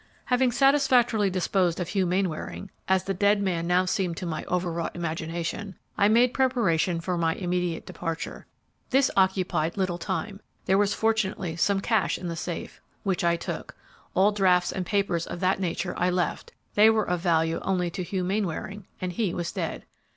"Having satisfactorily disposed of Hugh Mainwaring (as the dead man now seemed to my over wrought imagination), I made preparation for my immediate departure. This occupied little time. There was fortunately some cash in the safe, which I took; all drafts and papers of that nature I left, they were of value only to Hugh Mainwaring, and he was dead!